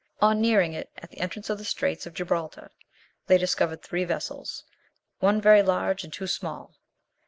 On nearing it at the entrance of the straits of Gibraltar, they discovered three vessels, one very large and two small.